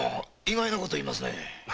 意外なこと言いますね。